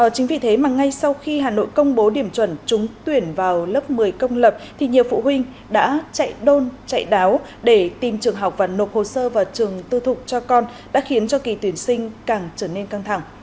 chính vì thế mà ngay sau khi hà nội công bố điểm chuẩn trúng tuyển vào lớp một mươi công lập thì nhiều phụ huynh đã chạy đôn chạy đáo để tìm trường học và nộp hồ sơ vào trường tư thục cho con đã khiến cho kỳ tuyển sinh càng trở nên căng thẳng